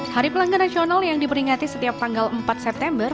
hari pelanggan nasional yang diperingati setiap tanggal empat september